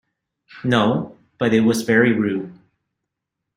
No; but it was very rude.